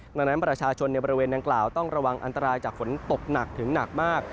ดังนั้นประชาชนในบริเวณดังกล่าวต้องระวังอันตรายจากฝนตกหนักถึงหนักมาก